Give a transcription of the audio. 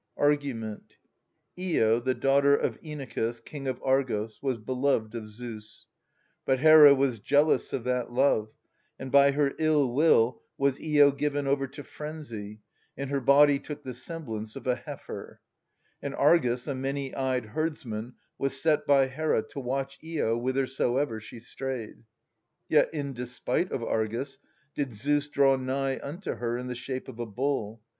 ARGUMENT. lo, the daughter of Inachus, King of Argos,. was beloved of Zeus. But Hera was jealous of that love, and by her ill will was lo given over to frenzy, and her body took the semblance of a heifer : and Argus, a many eyed herdsman, was set by Hera to watch lo whithersoever she strayed. ' Yet, in despite of Argus, did Zeus draw nigh unto her in the shape of a bull.